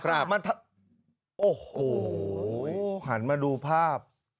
โอ้โหหันมาดูภาพ